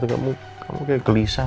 kamu kayak gelisah